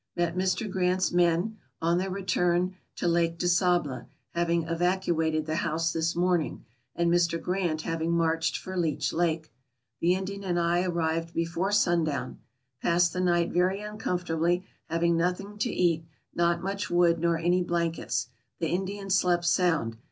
Met Mr. Grant's men, on their return to Lake de Sable, having evacuated the house this morning, and Mr. Grant having marched for Leech Lake. The Indian and I arrived before sundown. Passed the night very uncomfortably, having nothing to eat, not much wood, nor any blankets. The Indian slept sound.